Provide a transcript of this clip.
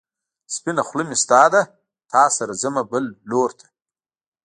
سپينه خلۀ مې ستا ده، تا سره ځمه بل لور ته